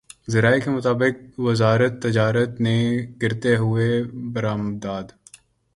ذرائع کے مطابق وزارت تجارت نے گرتی ہوئی برآمدات